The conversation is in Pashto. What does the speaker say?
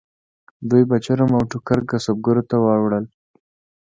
دوی به چرم او ټوکر کسبګرو ته ووړل.